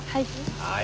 はい。